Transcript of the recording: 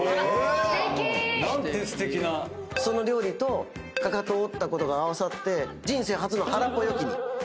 その料理とかかと折ったことが合わさって人生初の腹ポヨ期に今入ってる。